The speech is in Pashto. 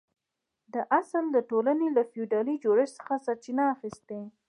دا اصل د ټولنې له فیوډالي جوړښت څخه سرچینه اخیسته.